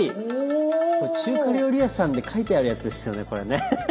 これ中華料理屋さんで描いてあるやつですよねこれね。